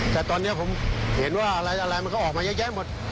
แต่ตอนนี้ผมเห็นว่าอะไรมันก็ออกมาเยอะแยะหมด